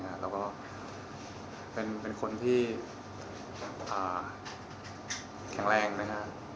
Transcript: แล้วก็เป็นคนที่แข็งแรงนะครับ